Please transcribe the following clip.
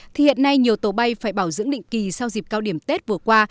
thì hiện nay nhiều tàu bay phải bảo dưỡng định kỳ sau dịp cao điểm tết vừa qua